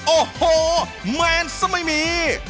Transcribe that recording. โอ้โหแมนซะไม่มี